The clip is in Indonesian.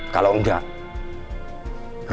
kalau enggak lo bisa datang sendiri sendiri